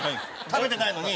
食べてないのに。